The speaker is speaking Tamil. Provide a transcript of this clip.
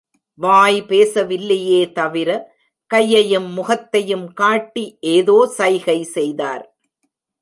வாய் பேசவில்லையே தவிர, கையையும் முகத்தையும் காட்டி ஏதோ சைகை செய்தார்.